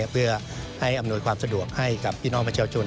เพื่อให้อำนวยความสะดวกให้กับพี่น้องประชาชน